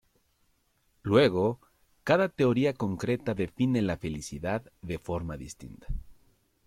Luego, cada teoría concreta define la felicidad de forma distinta.